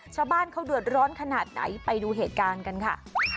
ชาวบ้านเขาเดือดร้อนขนาดไหนไปดูเหตุการณ์กันค่ะ